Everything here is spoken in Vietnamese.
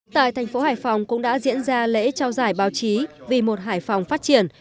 tại thành phố hải phòng cũng đã diễn ra lễ trao giải báo chí vì một hải phòng phát triển